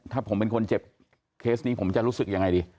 ถ้าผมเป็นคนเจ็บเคสนี้ผมจะรู้สึกยังไงดี